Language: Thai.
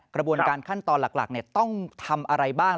กระบวนการขั้นตอนหลักต้องทำอะไรบ้าง